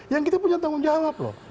mereka punya tanggung jawab loh